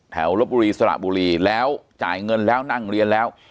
ลบบุรีสระบุรีแล้วจ่ายเงินแล้วนั่งเรียนแล้ว